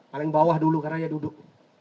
paling bawah dulu karena dia duduk